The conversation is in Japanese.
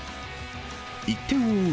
１点を追う